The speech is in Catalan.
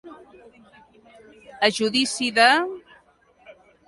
A judici de.